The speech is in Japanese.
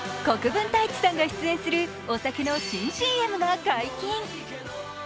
国分太一さんが出演するお酒の新ＣＭが解禁。